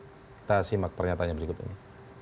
kita simak pernyataannya berikut ini